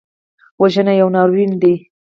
وژنه یو ناورین دی